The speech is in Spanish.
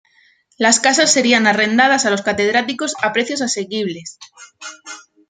Las casas serían arrendadas a los catedráticos a precios asequibles.